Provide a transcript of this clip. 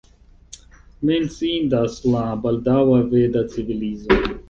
Menciindas la baldaŭa veda civilizo.